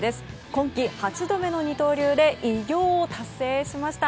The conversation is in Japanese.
今季８度目の二刀流で偉業を達成しました。